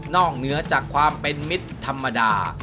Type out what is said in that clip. เหนือจากความเป็นมิตรธรรมดา